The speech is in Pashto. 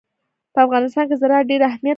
په افغانستان کې زراعت ډېر اهمیت لري.